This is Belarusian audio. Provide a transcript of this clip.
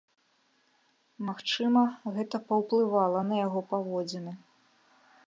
Магчыма, гэта паўплывала на яго паводзіны.